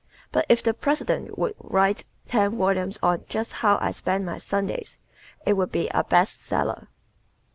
But if the President would write ten volumes on "Just How I Spend My Sundays," it would be a "best seller."